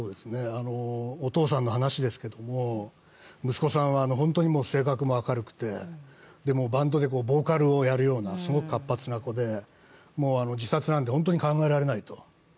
お父さんの話ですけども、息子さんは本当に性格も明るくて、バンドでボーカルをやるようなすごく活発な子で自殺なんて本当に考えられないと。